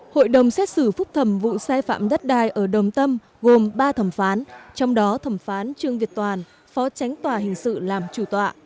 hội đồng xét xử phúc thẩm vụ sai phạm đất đai ở đồng tâm gồm ba thẩm phán trong đó thẩm phán trương việt toàn phó tránh tòa hình sự làm chủ tọa